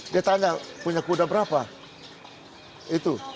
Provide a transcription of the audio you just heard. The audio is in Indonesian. dia tanya punya kuda berapa itu